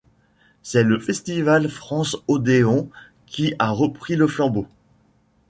C'est le festival France Odeon qui a repris le flambeau.